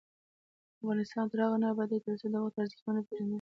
افغانستان تر هغو نه ابادیږي، ترڅو د وخت ارزښت ونه پیژندل شي.